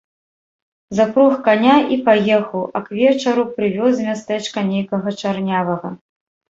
Запрог каня і паехаў, а к вечару прывёз з мястэчка нейкага чарнявага.